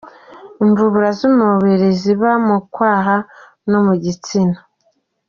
Imvubura z’umubiri ziba mu kwaha no mu gitsina.